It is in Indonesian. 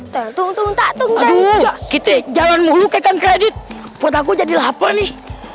tertunggul tak tunggu kita jalan mulu kekan kredit pot aku jadi lapar nih